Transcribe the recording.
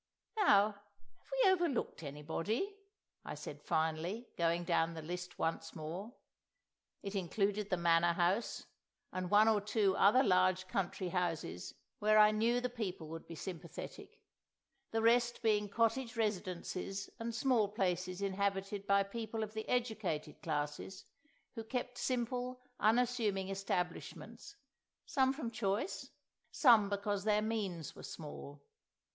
"Now, have we overlooked anybody?" I said finally, going down the list once more. It included the Manor House and one or two other large country houses where I knew the people would be sympathetic, the rest being cottage residences and small places inhabited by people of the educated classes, who kept simple, unassuming establishments—some from choice, some because their means were small.